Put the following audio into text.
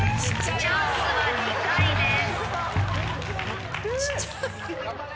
チャンスは２回です。